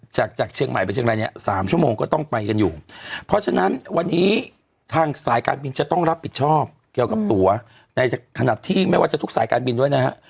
จากจากเชียงใหม่ไปเชียงรายเนี่ยสามชั่วโมงก็ต้องไปกันอยู่เพราะฉะนั้นวันนี้ทางสายการบินจะต้องรับผิดชอบเกี่ยวกับตัวในขณะที่ไม่ว่าจะทุกสายการบินด้วยนะฮะ